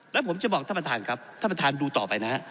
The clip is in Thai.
แล้วผมจะบอกท่านประธานครับท่านประธานดูต่อไปนะฮะ